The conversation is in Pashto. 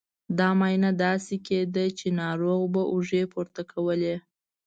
دا معاینه داسې کېده چې ناروغ به اوږې پورته کولې.